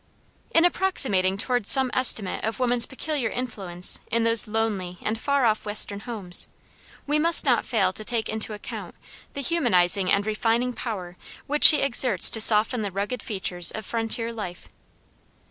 In approximating towards some estimate of woman's peculiar influence in those lonely and far off western homes, we must not fail to take into account the humanizing and refining power which she exerts to soften the rugged features of frontier life.